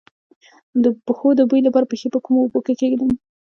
د پښو د بوی لپاره پښې په کومو اوبو کې کیږدم؟